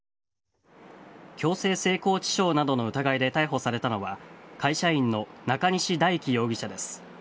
強制性交致傷などの疑いで逮捕されたのは会社員の中西大樹容疑者です。